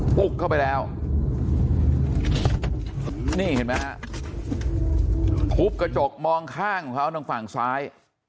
ปุ๊กเข้าไปแล้วนี่เห็นไหมฮะทุบกระจกมองข้างของเขาทางฝั่งซ้าย